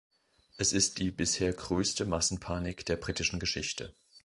Es ist die bisher größte Massenpanik der britischen Geschichte.